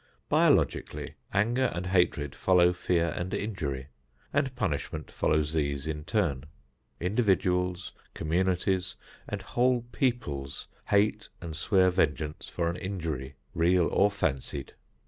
Biologically, anger and hatred follow fear and injury, and punishment follows these in turn. Individuals, communities and whole peoples hate and swear vengeance for an injury, real or fancied.